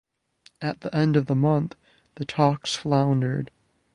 At the end of the month, the talks floundered.